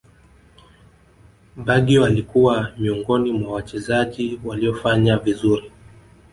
baggio alikuwa miongoni mwa Wachezaji waliofanya vizuri